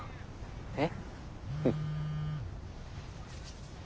えっ？